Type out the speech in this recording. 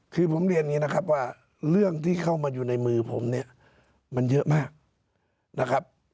คือผมเรียนอย่างนี้นะครับว่าเรื่องที่เข้ามาอยู่ในมือผมเนี่ยมันเยอะมากนะครับ